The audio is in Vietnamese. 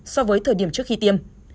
so với thời điểm trước khi tiêm